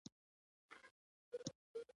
ته کوم حیوان خوښوې؟